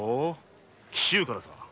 紀州からか？